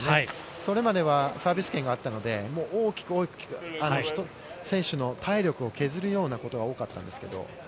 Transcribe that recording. それまではサービス権があったので、大きく大きく選手の体力を削るようなことが多かったんですけど。